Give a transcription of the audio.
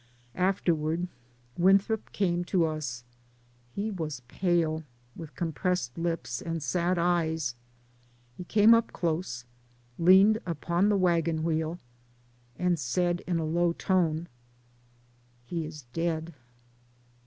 Afterward, Winthrop came to us; he was pale, with compressed lips, and sad eyes ; he came up close, leaned upon the wagon wheel, and said in a low tone, "He is dead."